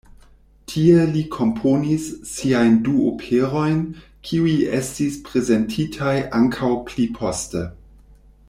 Tie li komponis siajn du operojn, kiuj estis prezentitaj ankaŭ pli poste.